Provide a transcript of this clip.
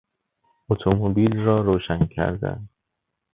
اتومبیل را روشن کردن